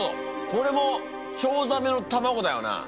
これもチョウザメの卵だよな。